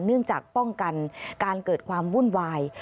เนื่องจากป้องกันการเกิดความวุ่นวาย